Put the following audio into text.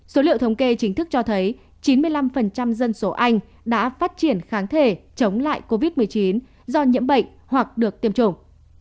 số liệu thống kê chính thức cho thấy chín mươi năm dân số anh đã phát triển kháng thể chống lại covid một mươi chín do nhiễm bệnh hoặc được tiêm chủng